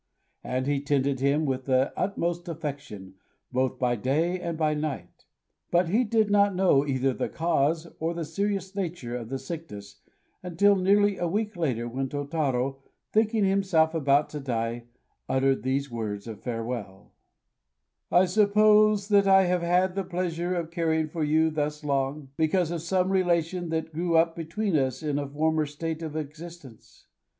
And he tended him with the utmost affection both by day and by night. But he did not know either the cause or the serious nature of the sickness until nearly a week later, when Tôtarô, thinking himself about to die, uttered these words of farewell: "I suppose that I have had the pleasure of caring for you thus long, because of some relation that grew up between us in a former state of existence.